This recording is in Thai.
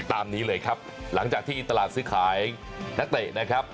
ตามนี้เลยครับหลังจากที่ตลาดซื้อขายนักเตะนะครับ